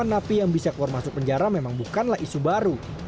delapan napi yang bisa keluar masuk penjara memang bukanlah isu baru